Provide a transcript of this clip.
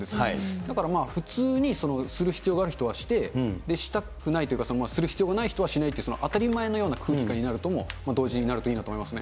だから普通にする必要がある人はして、したくないというか、する必要がない人はしないって、当たり前のような空気感になると、もう、同時になるといいと思いますね。